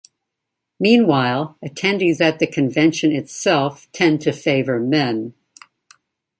Meanwhile, attendees at the convention itself tend to favour men.